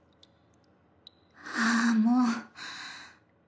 ああもう。